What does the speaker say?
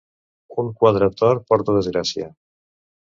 Un quadre tort porta desgràcia.